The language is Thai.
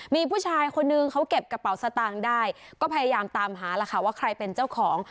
มีผู้ชายคนนึงเขาเก็บกระเป๋าสตางค์ได้ก็พยายามตามหาแล้วค่ะว่าใครเป็นเจ้าของ